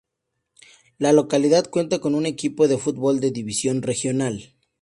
La localidad cuenta con un equipo de fútbol de División Regional.